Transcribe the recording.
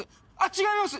違います